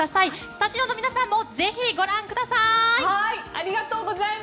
スタジオの皆さんもぜひ、ご覧ください！